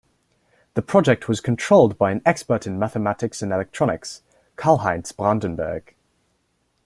The project was controlled by an expert in mathematics and electronics, Karlheinz Brandenburg.